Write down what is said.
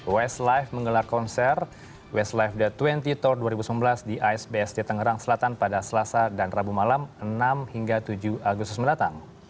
westlife menggelar konser westlife the dua puluh tour dua ribu sembilan belas di asbst tangerang selatan pada selasa dan rabu malam enam hingga tujuh agustus mendatang